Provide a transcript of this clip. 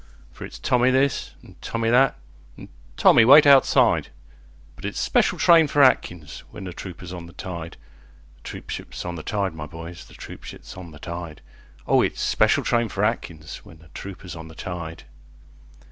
For it's Tommy this, an' Tommy that, an' "Tommy, wait outside"; But it's "Special train for Atkins" when the trooper's on the tide, The troopship's on the tide, my boys, the troopship's on the tide, O it's "Special train for Atkins" when the trooper's on the tide.